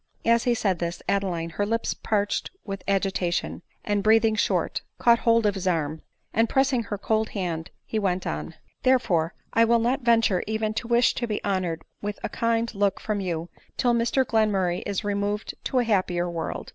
As he said this, Adeline, her lips parched with agitation, and breathing short, caught hold of his arm ; and pressing her cold hand, he went on ;" Therefore, I will not venture even to wish to be honor ed with a kind look from ydu till Mr Glenmurfay is re moved to a happier world.